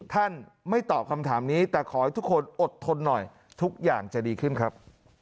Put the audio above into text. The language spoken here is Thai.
ท่านไม่ตอบคำถามนี้แต่ขอให้ทุกคนอดทนหน่อยทุกอย่างจะดีขึ้นครับ